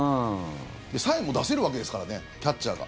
サインも出せるわけですからねキャッチャーが。